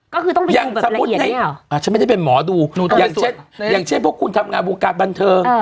ก็คือต้องไปดูแบบละเอียดเนี่ยหรอฉันไม่ได้เป็นหมอดูอย่างเช่นพวกคุณทำงานบุกราศบันเทิง